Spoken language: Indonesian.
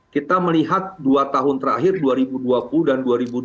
kita melihat dua tahun terakhir dua ribu dua puluh dan dua ribu dua puluh